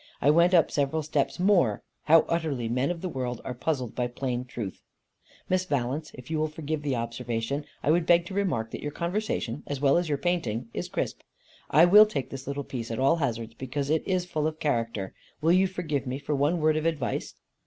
I went up several steps more. How utterly men of the world are puzzled by plain truth! "Miss Valence, if you will forgive the observation, I would beg to remark that your conversation as well as your painting is crisp. I will take this little piece at all hazards, because it is full of character. Will you forgive me for one word of advice?"